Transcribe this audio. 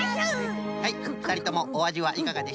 はいふたりともおあじはいかがでしょう？